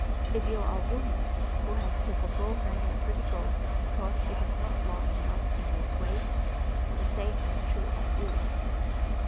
If you are a woman who has to forego many a pretty gown because it is not long enough in the waist, the same is true of you.